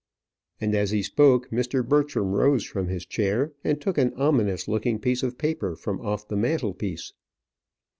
And as he spoke Mr. Bertram rose from his chair and took an ominous looking piece of paper from off the mantelpiece.